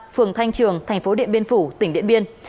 phường thanh trường thành phố điện biên phủ tỉnh điện biên